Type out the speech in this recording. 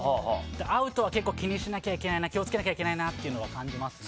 アウトは結構気にしなきゃいけない気をつけなきゃいけないなと感じますね。